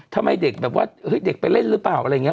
ทำไมเด็กแบบว่าเฮ้ยเด็กไปเล่นหรือเปล่าอะไรอย่างนี้